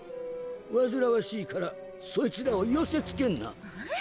わずらわしいからそいつらを寄せ付けんな！